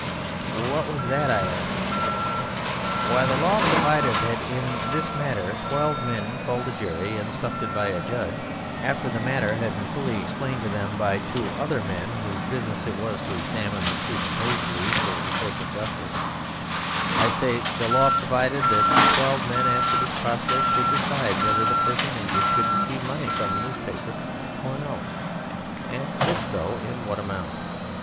"What was that?" I asked. "Why, the law provided that in this matter twelve men called a jury, instructed by a judge, after the matter had been fully explained to them by two other men whose business it was to examine the truth boldly for the sake of justice I say the law provided that the twelve men after this process should decide whether the person injured should receive money from the newspaper or no, and if so, in what amount.